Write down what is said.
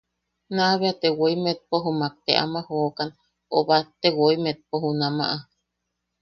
Naa bea te woi metpo jumak te ama jookan o batte woi metpo junama.